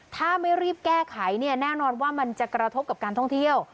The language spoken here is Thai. ถ้าไม่รีบแก้ไขเนี่ยแน่นอนว่ามันจะกระทบกับการท่องเที่ยว